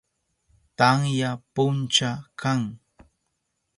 Tamya puncha kan.